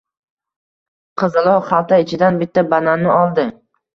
Qizaloq xalta ichidan bitta bananni oldi.